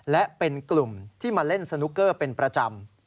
และเป็นกลุ่มที่มาเล่นสนุกเกอร์เป็นประจำ